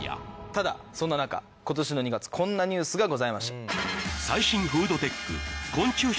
ただそんな中今年の２月こんなニュースがございました。